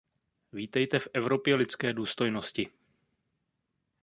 Vítejte v Evropě lidské důstojnosti!